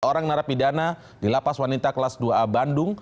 empat orang narapidana di lapas wanita kelas dua a bandung